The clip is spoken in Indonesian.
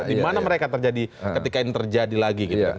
dimana mereka terjadi ketika ini terjadi lagi